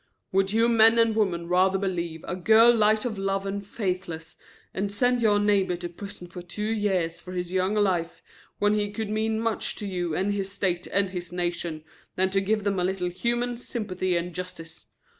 "Would you men and women rather believe a girl light of love and faithless, and send your neighbor to prison for two years of his young life when he could mean much to you and his state and his nation, than to give them a little human sympathy and justice.